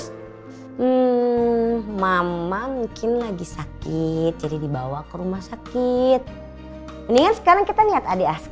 hmm mama mungkin lagi sakit jadi dibawa ke rumah sakit